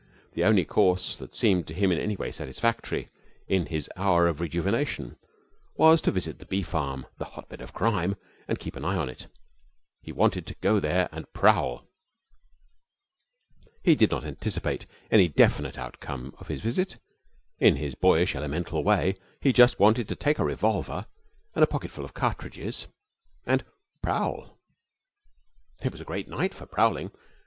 The only course that seemed to him in any way satisfactory in this his hour of rejuvenation was to visit the bee farm, the hotbed of crime, and keep an eye on it. He wanted to go there and prowl. He did not anticipate any definite outcome of his visit. In his boyish, elemental way he just wanted to take a revolver and a pocketful of cartridges, and prowl. It was a great night for prowling.